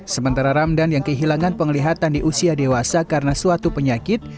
sementara ramdan yang kehilangan penglihatan di usia dewasa karena suatu penyakit